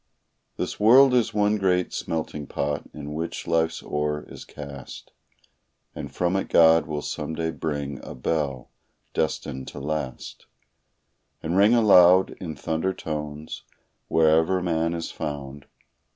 This world is one great smelting pot in which life's ore is cast, And from it God will some day bring a bell, destined to last And ring aloud in thunder tones wherever man is found.